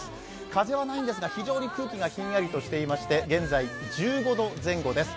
風はないんですが、非常に空気がひんやりとしていまして、現在、１５度前後です。